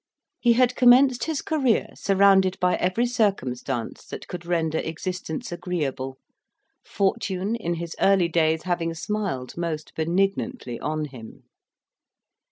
He had commenced his career surrounded by every circumstance that could render existence agreeable; fortune, in his early days, having smiled most benignantly on him.